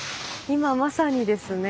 今まさにですね。